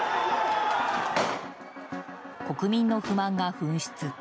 国民の不満が噴出。